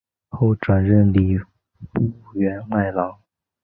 后转任礼部员外郎。